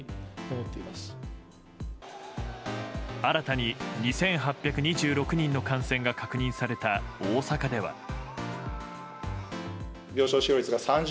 新たに２８２６人の感染が確認された大阪では。